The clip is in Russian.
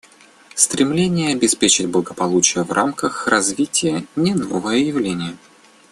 Стремление обеспечить благополучие в рамках развития — не новое явление.